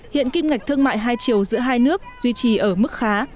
hiện kim ngạch thương mại hai triệu giữa hai nước duy trì ở mức khá